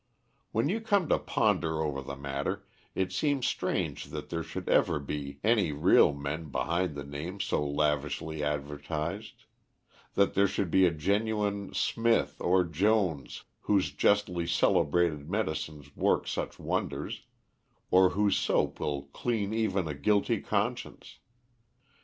When you come to ponder over the matter, it seems strange that there should ever be any real man behind the names so lavishly advertised; that there should be a genuine Smith or Jones whose justly celebrated medicines work such wonders, or whose soap will clean even a guilty conscience.